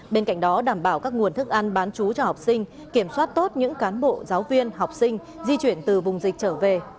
bên cạnh đó đảm bảo các nguồn thức ăn bán chú cho học sinh kiểm soát tốt những cán bộ giáo viên học sinh di chuyển từ vùng dịch trở về